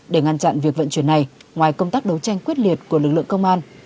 để ngăn chặn việc vận chuyển này ngoài công tác đấu tranh quyết liệt của lực lượng công an